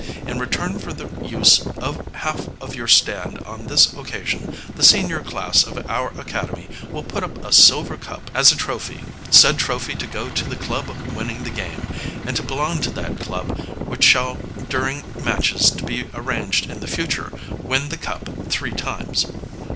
In return for the use of half of your stand on this occasion the senior class of our academy will put up a silver cup as a trophy, said trophy to go to the club winning the game, and to belong to that club which shall during matches to be arranged in the future win the cup three times.